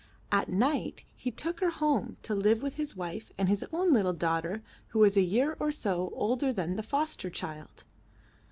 At night he took her home to live with his wife and his own little daughter who was a year or so older than the foster child.